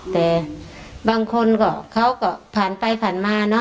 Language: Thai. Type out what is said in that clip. แต่บางคนก็เขาก็ผ่านไปผ่านมาเนอะ